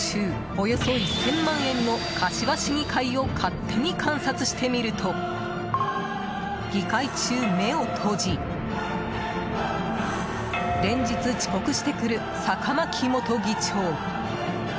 およそ１０００万円の柏市議会を勝手に観察してみると議会中、目を閉じ連日遅刻してくる坂巻元議長。